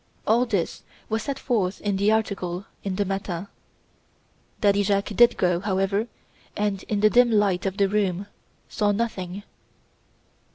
All this was set forth in the article in the 'Matin.' Daddy Jacques did go, however, and, in the dim light of the room, saw nothing.